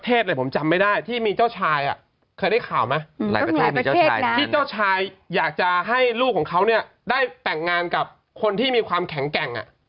ที่เจ้าชายอยากจะให้ลูกของเขาเนี่ยได้แต่งงานกับคนที่มีความแข็งแกร่ง